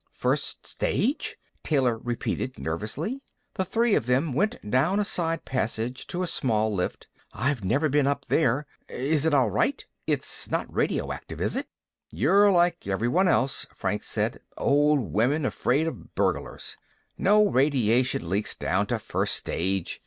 "First stage?" Taylor repeated nervously. The three of them went down a side passage to a small lift. "I've never been up there. Is it all right? It's not radioactive, is it?" "You're like everyone else," Franks said. "Old women afraid of burglars. No radiation leaks down to first stage.